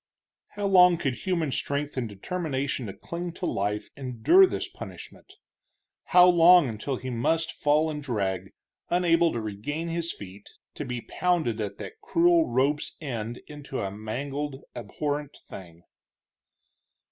How long could human strength and determination to cling to life endure this punishment! how long until he must fall and drag, unable to regain his feet, to be pounded at that cruel rope's end into a mangled, abhorrent thing!